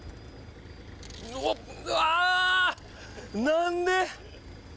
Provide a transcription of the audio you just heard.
何で？